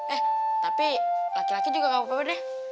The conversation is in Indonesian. eh tapi laki laki juga gak apa apa deh